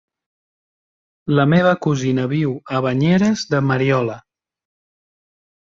La meva cosina viu a Banyeres de Mariola.